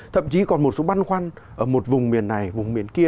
thậm chí còn một số băn khoăn ở một vùng miền này vùng miền kia